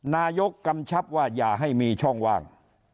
นายกกำชับว่าอย่าให้มีช่องว่าง